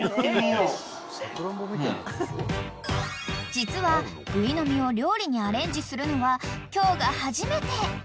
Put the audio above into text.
［実はグイの実を料理にアレンジするのは今日が初めて］